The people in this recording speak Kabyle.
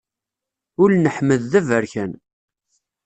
Ul n Ḥmed d aberkan.